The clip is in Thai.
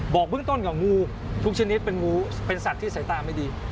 บอกเบื้องต้นกับงูทุกชนิดเป็นงูเป็นสัตว์ที่สายตาไม่ดี